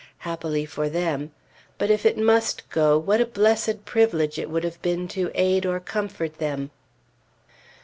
Happily for them; but if it must go, what a blessed privilege it would have been to aid or comfort them!